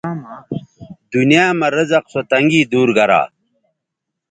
دنیاں مہ رزق سو تنگی دور گرا